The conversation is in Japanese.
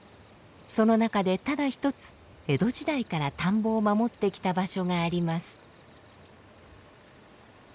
その中でただ一つ江戸時代から田んぼを守ってきた場所があります。